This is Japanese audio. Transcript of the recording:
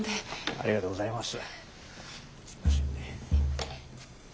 ありがとうございます。